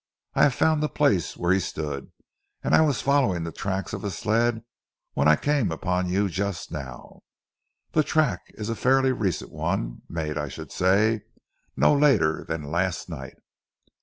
I have found the place where he stood, and I was following the track of a sled, when I came upon you just now. The track is a fairly recent one, made, I should say, no later than last night."